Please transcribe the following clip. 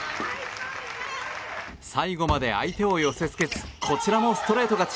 最後まで相手を寄せ付けずこちらもストレート勝ち。